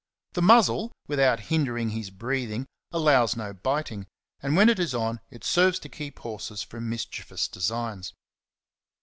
The muzzle, without hindering his breathing, allows no biting, and when it is on, it serves to keep horses from mischievous designs.